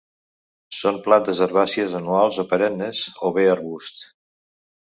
Són plantes herbàcies anuals o perennes, o bé arbusts.